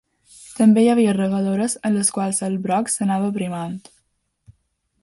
També hi havia regadores en les quals el broc s'anava aprimant.